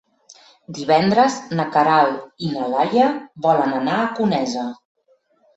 Divendres na Queralt i na Laia volen anar a Conesa.